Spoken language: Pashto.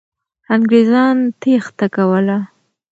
انګریزان تېښته کوله.